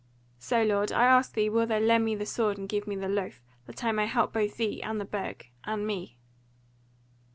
So, lord, I ask thee wilt thou lend me the sword and give me the loaf, that I may help both thee, and the Burg, and me?"